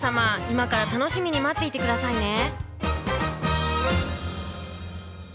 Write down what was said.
今から楽しみに待っていて下さいね。